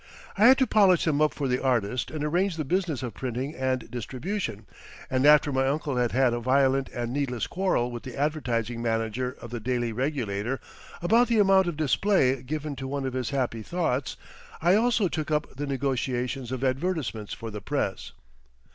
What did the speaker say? I had to polish them up for the artist and arrange the business of printing and distribution, and after my uncle had had a violent and needless quarrel with the advertising manager of the Daily Regulator about the amount of display given to one of his happy thoughts, I also took up the negotiations of advertisements for the press.